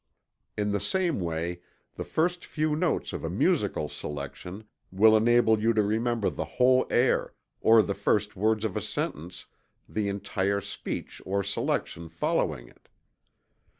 In the same way the first few notes of a musical selection will enable you to remember the whole air; or the first words of a sentence, the entire speech or selection following it.